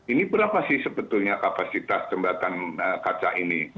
ini berapa sih sebetulnya kapasitas jembatan kaca ini